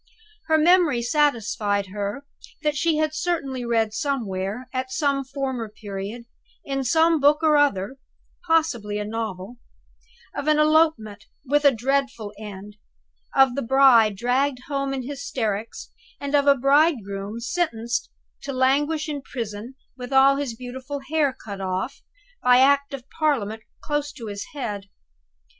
Her memory satisfied her that she had certainly read somewhere, at some former period, in some book or other (possibly a novel), of an elopement with a dreadful end of a bride dragged home in hysterics and of a bridegroom sentenced to languish in prison, with all his beautiful hair cut off, by Act of Parliament, close to his head.